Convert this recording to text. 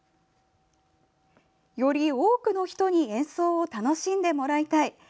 より多くの人に演奏を楽しんでもらいたい！